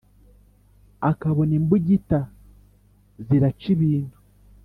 Akabona imbugita ziraca ibintu.